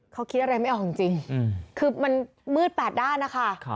เขาคิดอะไรไม่ออกจริงคือมันมืด๘ด้านนะคะ